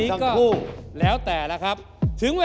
มีพลิกโพสต์ทำไมเลือกเต้ย